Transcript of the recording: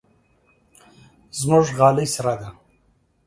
زموږ غالۍ سره ده.